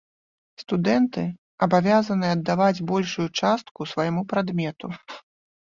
Студэнты абавязаныя аддаваць большую частку свайму прадмету.